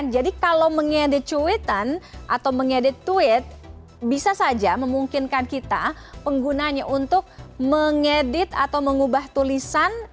jadi kalau mengedit tweet bisa saja memungkinkan kita penggunanya untuk mengedit atau mengubah tulisan